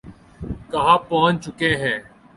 کہاں پہنچ چکے ہیں۔